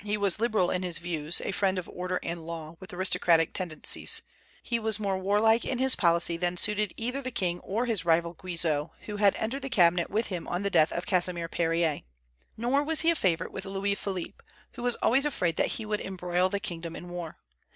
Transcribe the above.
He was liberal in his views, a friend of order and law, with aristocratic tendencies. He was more warlike in his policy than suited either the king or his rival Guizot, who had entered the cabinet with him on the death of Casimir Périer. Nor was he a favorite with Louis Philippe, who was always afraid that he would embroil the kingdom in war.